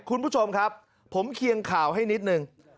คุณผู้ชมครับผมเคียงข่าวให้นิดนึง